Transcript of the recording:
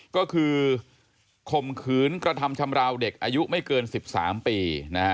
ก็คือข่มขืนกระทำชำราวเด็กอายุไม่เกิน๑๓ปี